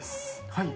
はい。